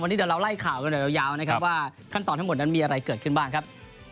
วันนี้เดี๋ยวเราไล่ข่าวกันหน่อยยาวนะครับว่าขั้นตอนทั้งหมดนั้นมีอะไรเกิดขึ้นบ้างครับ